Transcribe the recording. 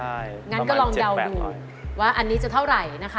งั้นก็ลองเดาดูว่าอันนี้จะเท่าไหร่นะคะ